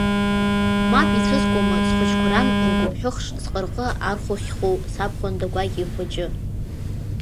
Мап ицәыскуама схәыҷқәа ран лгәыԥҳәыхш зҟырҟы архәыхәхьоу сабхәында гәакьа ихәыҷы.